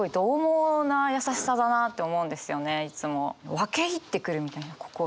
分け入ってくるみたいな心に。